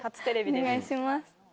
お願いします。